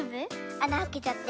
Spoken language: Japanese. あなあけちゃって。